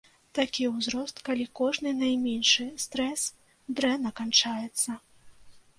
Такі ўзрост, калі кожны найменшы стрэс дрэнна канчаецца.